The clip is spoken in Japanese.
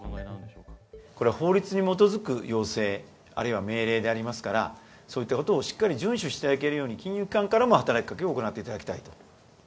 これは、法律に基づく要請、あるいは命令でありますから、そういったことをしっかり順守していただけるように、金融機関からも働きかけを行っていただきたいと。